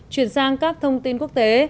chuyển sang các thông tin của các bạn